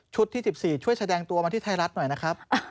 ที่๑๔ช่วยแสดงตัวมาที่ไทยรัฐหน่อยนะครับ